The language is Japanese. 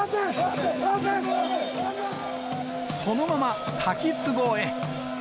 そのまま滝つぼへ。